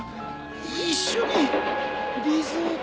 一緒にリゾート。